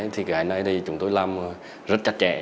thì cái này chúng tôi làm rất chặt chẽ